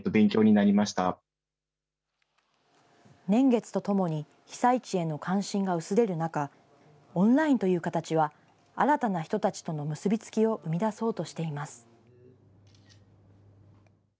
年月とともに、被災地への関心が薄れる中、オンラインという形は、新たな人たちとの結び付きを生み出そうとしています。